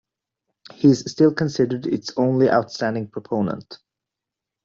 He is still considered its only outstanding proponent.